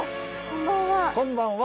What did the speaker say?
こんばんは。